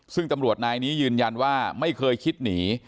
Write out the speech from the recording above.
ซึ่งตำรวจนายนี้ยืนยันว่าไม่เคยคิดหนี